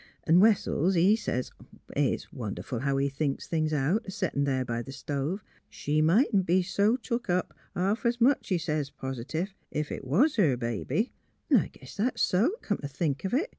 'N' Wes sels, he sez — it's wonderful how he thinks things out, a settin' there b' th' stove —' She mightn't be took up half s' much,' he sez, pos'tive, ' ef 't was her baby.' 'N' I guess that's so, come t' think of it.